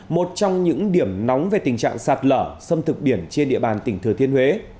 một trong những điểm nóng về tình trạng sạt lở xâm thực biển trên địa bàn tỉnh thừa thiên huế